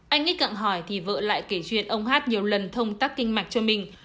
anh x cặng hỏi thì vợ lại kể chuyện ông hát nhiều lần thông tắc kinh mạch cho mình